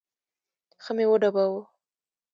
ښه مې وډباوه.